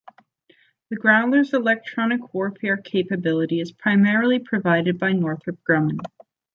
The Growler's electronic warfare capability is primarily provided by Northrop Grumman.